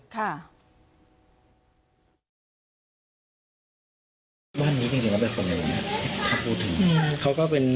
บ้านนี้จริงแล้วเป็นคนไหนนะเขาพูดถึง